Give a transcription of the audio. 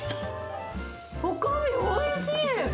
おかみ、おいしい！